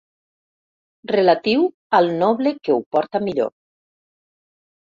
Relatiu al noble que ho porta millor.